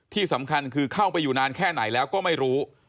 ที่สำคัญคือเข้าไปอยู่นานแค่ไหนแล้วก็ไม่รู้